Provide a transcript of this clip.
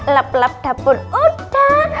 lap lap dapur udah